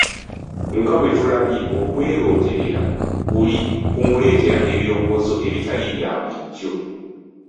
Nga bwe tulabye okwerooterera kuli kumuleetera ebirowoozo ebitali bya bulijjo.